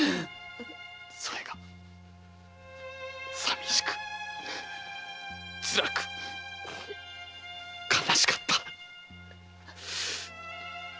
それが寂しくつらく悲しかった！